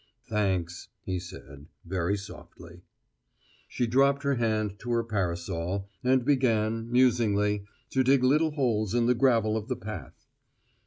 "Thanks," he said, very softly. She dropped her hand to her parasol, and began, musingly, to dig little holes in the gravel of the path.